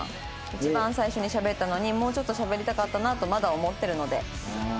一番最初にしゃべったのにもうちょっとしゃべりたかったなとまだ思ってるので」